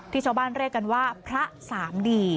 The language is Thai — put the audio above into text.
ที่ชาวบ้านเลขกันว่าพระสามดี